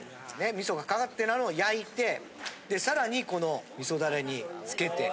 味噌がかかってたのを焼いてで更にこの味噌ダレにつけて。